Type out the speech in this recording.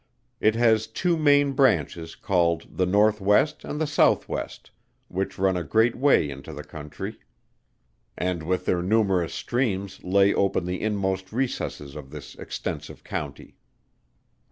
It has two main branches called the north west and south west, which run a great way into the country, and with their numerous streams lay open the inmost recesses of this extensive County.